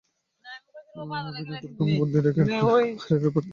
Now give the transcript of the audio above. বিনা বিচারে বন্দী করে রাখার জন্যে পাহাড়ের ওপর দুর্গম এই স্থানকে বেছে নেয় ইংরেজরা।